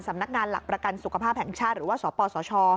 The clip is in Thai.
สำนักงานหลักประกันสุขภาพแห่งชาติหรือว่าสปสช